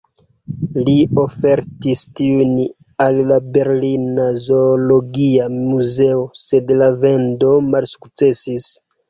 Li ofertis tiujn al la Berlina Zoologia Muzeo, sed la vendo malsukcesis.